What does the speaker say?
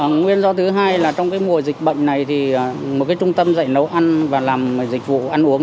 nguyên do thứ hai là trong mùa dịch bệnh này thì một trung tâm dạy nấu ăn và làm dịch vụ ăn uống